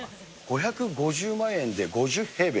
５５０万円で５０平米？